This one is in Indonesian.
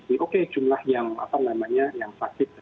itu mungkin bisa juga mendapatkan resiko resiko jangka panjang